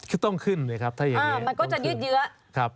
ก็ต้องขึ้นสิครับถ้าอย่างนี้มันก็จะยืดเยอะ